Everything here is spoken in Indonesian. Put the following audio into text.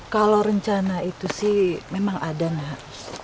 kalau rencana itu sih memang ada nak